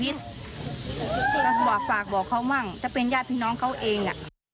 ภาษาภาคภาคบอกเขาบ้างถ้าเป็นญาติพี่น้องเขาเอง